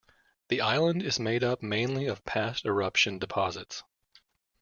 The island is made up mainly of past eruption deposits.